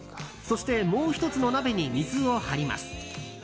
そして、もう１つの鍋に水を張ります。